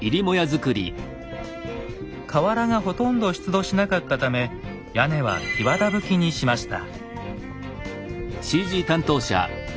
瓦がほとんど出土しなかったため屋根は檜皮葺にしました。